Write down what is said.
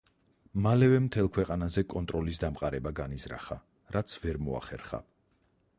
მალევე მთელ ქვეყანაზე კონტროლის დამყარება განიზრახა, რაც ვერ მოახერხა.